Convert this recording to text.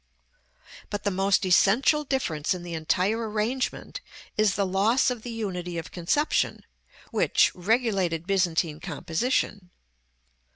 § VII. But the most essential difference in the entire arrangement, is the loss of the unity of conception which, regulated Byzantine composition.